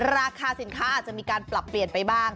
ราคาสินค้าอาจจะมีการปรับเปลี่ยนไปบ้าง